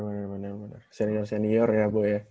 bener bener bener senior senior ya bo ya